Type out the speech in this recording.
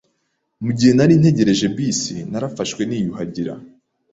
Mugihe nari ntegereje bisi, narafashwe niyuhagira.